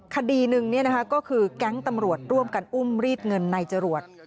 คดีหนึ่งก็คือแก๊งตำรวจร่วมกันอุ้มรีดเงินในจรวด